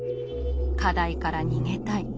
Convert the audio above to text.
課題から逃げたい。